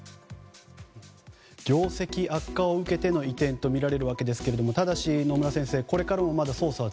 業績悪化を受けての移転とみられるわけですがただし、野村先生これからもまだ捜査は